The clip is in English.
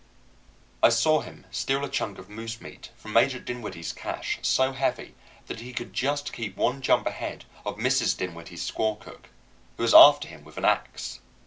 I saw him steal a chunk of moose meat from Major Dinwiddie's cache so heavy that he could just keep one jump ahead of Mrs. Dinwiddie's squaw cook, who was after him with an ax.